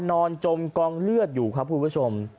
นอนจมกองเลือดอยู่ครับคุณผู้ชม